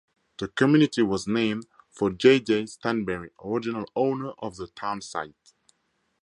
The community was named for J. J. Stanberry, original owner of the town site.